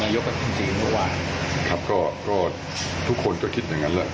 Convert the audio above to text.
นายกท่านจริงหรือว่าครับก็ก็ทุกคนก็คิดอย่างนั้นแหละ